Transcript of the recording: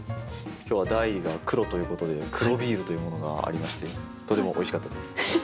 今日は題が「黒」ということで黒ビールというものがありましてとてもおいしかったです。